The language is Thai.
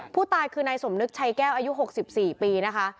ผู้ตายคือนายสมนึกชัยแก้วอายุ๖๔ปีนะคะ